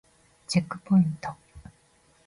チェックポイント